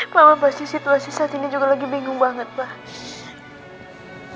pak abah pasti situasi saat ini juga lagi bingung banget pak